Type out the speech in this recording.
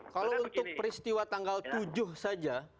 kalau untuk peristiwa tanggal tujuh saja